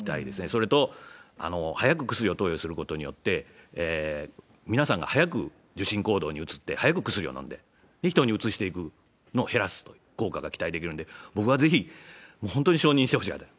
それと、早く薬を投与することによって、皆さんが早く受診行動に移って、早く薬を飲んで、人にうつしていくのを防ぐ減らす効果が期待できるんで、僕はぜひ、本当に承認してほしい。